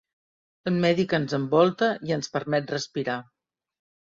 El medi que ens envolta i ens permet respirar.